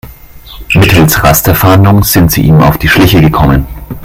Mittels Rasterfahndung sind sie ihm auf die Schliche gekommen.